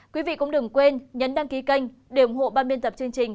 các bạn hãy đăng ký kênh để ủng hộ bàn biên tập